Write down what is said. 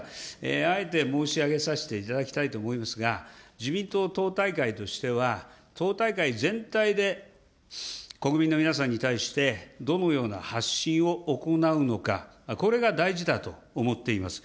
あえて申し上げさせていただきたいと思いますが、自民党党大会としては、党大会全体で国民の皆さんに対してどのような発信を行うのか、これが大事だと思っています。